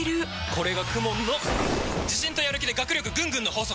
これがＫＵＭＯＮの自信とやる気で学力ぐんぐんの法則！